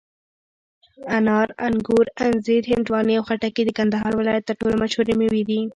انار، انګور، انځر، هندواڼې او خټکي د کندهار ولایت تر ټولو مشهوري مېوې دي.